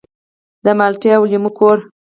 د مالټې او لیمو کور.